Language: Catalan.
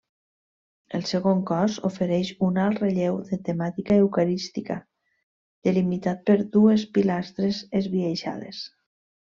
El segon cos ofereix un alt relleu de temàtica eucarística delimitat per dues pilastres esbiaixades.